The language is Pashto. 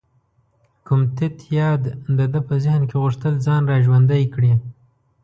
کوم تت یاد د ده په ذهن کې غوښتل ځان را ژوندی کړي.